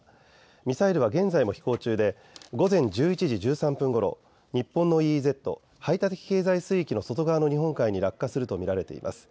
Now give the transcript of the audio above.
ミサイルは現在も飛行中で午前１１時１３分ごろ日本のＥＥＺ・排他的経済水域の外側の日本海に落下すると見られています。